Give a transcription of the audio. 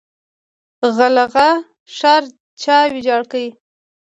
غلغله ښار چا ویجاړ کړ؟